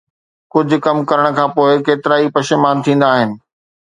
ڪجھ ڪم ڪرڻ کان پوءِ ڪيترائي پشيمان ٿيندا آھن